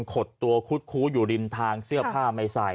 ขดตัวคุดคู้อยู่ริมทางเสื้อผ้าไม่ใส่